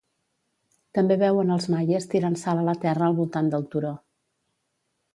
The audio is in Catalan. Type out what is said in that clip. També veuen els maies tirant sal a la terra al voltant del turó.